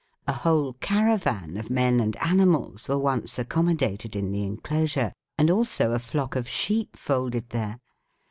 A whole caravan of men and animals were once accommodated in the enclosure, and also a flock of sheep folded there.